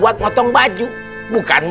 buat ngotong baju bukan buat